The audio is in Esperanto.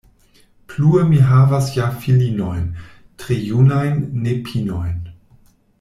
Plue mi havas ja filinojn, tre junajn nepinojn.